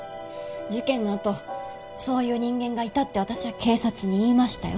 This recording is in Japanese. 事件のあとそういう人間がいたって私は警察に言いましたよ